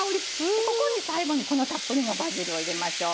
ここに最後にこのたっぷりのバジルを入れましょう。